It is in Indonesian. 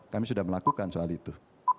kami sudah melakukan soal itu